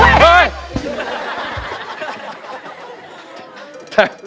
เฮ้ยเฮ้ยเฮ้ย